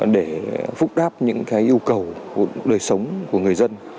để phúc đáp những yêu cầu của đời sống của người dân